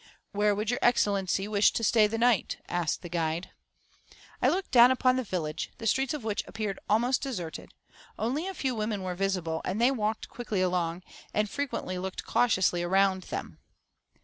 "Where would your Excellency wish to stay the night?" asked the guide. I looked down upon the village, the streets of which appeared almost deserted. Only a few women were visible, and they walked quickly along, and frequently looked cautiously around them.